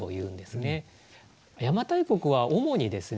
邪馬台国は主にですね